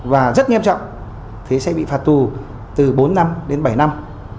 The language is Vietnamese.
và rất nghiêm trọng thì sẽ bị phạt tù từ bốn năm đến bảy năm